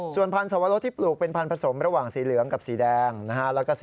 ส่วนพันธวรรสที่ปลูกเป็นพันธสมระหว่างสีเหลืองกับสีแดงนะฮะ